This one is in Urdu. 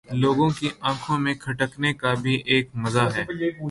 لوگوں کی آنکھوں میں کھٹکنے کا بھی ایک مزہ ہے